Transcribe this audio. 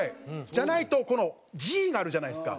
じゃないとＧがあるじゃないですか。